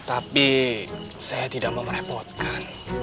tapi saya tidak mau merepotkan